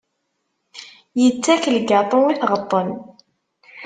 Yettak lgaṭu i tɣeṭṭen.